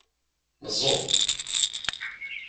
Neẓẓul.